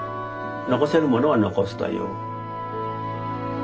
残せるものは残すという。